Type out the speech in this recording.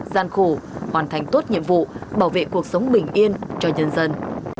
gian khổ hoàn thành tốt nhiệm vụ bảo vệ cuộc sống bình yên cho nhân dân